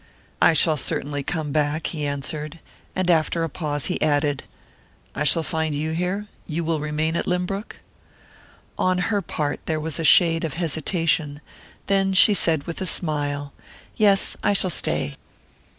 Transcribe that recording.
"I shall certainly come back," he answered; and after a pause he added: "I shall find you here? You will remain at Lynbrook?" On her part also there was a shade of hesitation; then she said with a smile: "Yes, I shall stay."